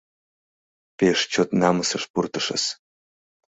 Пеш чот намысыш пуртышыс...